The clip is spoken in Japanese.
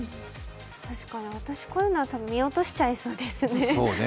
私こういうのは見落としちゃいそうですね。